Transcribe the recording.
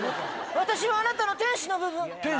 私はあなたの天使の部分。